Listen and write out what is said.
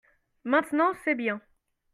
maintenant c'est bien.